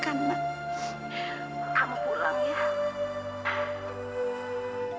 kamu pulang ya